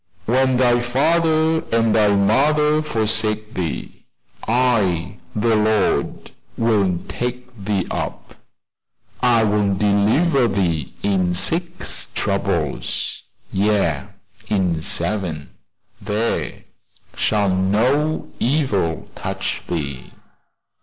"When thy father and thy mother forsake thee, I, the Lord, will take thee up." "I will deliver thee in six troubles; yea, in seven there shall no evil touch thee."